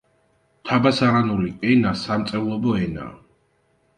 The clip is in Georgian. თაბასარანული ენა სამწერლობო ენაა.